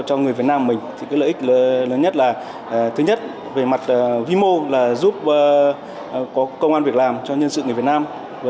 cho người việt nam mình thì cái lợi ích lớn nhất là thứ nhất về mặt vi mô là giúp có công an việc làm cho nhân sự người việt nam